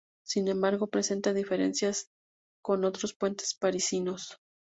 Sin embargo, presenta diferencias con otros puentes parisinos.